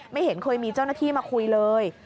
ไม่เห็นเคยมีเจ้าหน้าที่มาคุยเลย